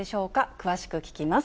詳しく聞きます。